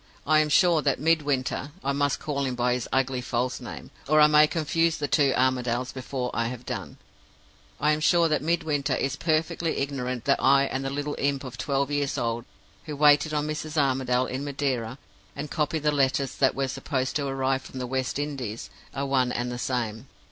I am sure that Midwinter I must call him by his ugly false name, or I may confuse the two Armadales before I have done I am sure that Midwinter is perfectly ignorant that I and the little imp of twelve years old who waited on Mrs. Armadale in Madeira, and copied the letters that were supposed to arrive from the West Indies, are one and the same.